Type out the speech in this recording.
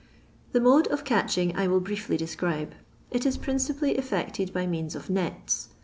The mode of catching I will briefly describe. It is principally effected by means ol nets.